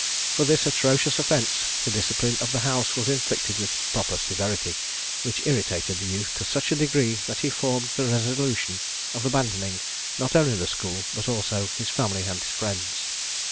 For this atrocious offence the discipline of the house was inflicted with proper severity, which irritated the youth to such a degree, that he formed the resolution of abandoning not only the school, but also his family and friends.